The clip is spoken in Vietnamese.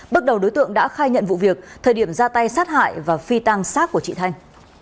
bước đầu đối tượng đã khai nhận vụ việc thời điểm ra tay sát hại và phi tăng sát của chị thanh